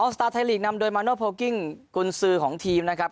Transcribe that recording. อ๋อสตาร์ทไทยลีกนำโดยคุณซื้อของทีมนะครับ